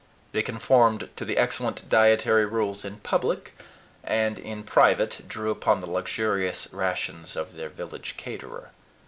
They conformed to the excellent dietary rules in public, and in private drew upon the luxurious rations of their village caterer.